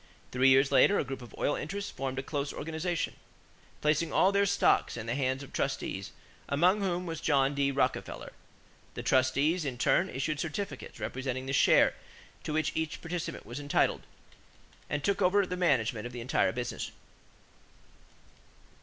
Three years later a group of oil interests formed a close organization, placing all their stocks in the hands of trustees, among whom was John D. Rockefeller. The trustees, in turn, issued certificates representing the share to which each participant was entitled; and took over the management of the entire business.